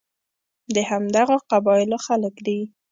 د همدغو قبایلو خلک دي.